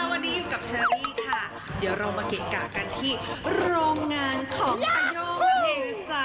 วันนี้อยู่กับเชอรี่ค่ะเดี๋ยวเรามาเกะกะกันที่โรงงานของตาย่อเทจะ